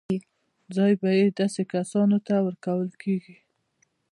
ځای به یې داسې کسانو ته ورکول کېږي.